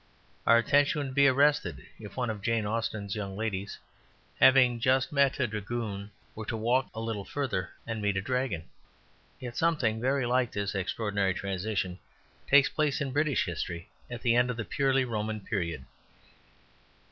Our attention would be arrested if one of Jane Austen's young ladies who had just met a dragoon were to walk a little further and meet a dragon. Yet something very like this extraordinary transition takes place in British history at the end of the purely Roman period.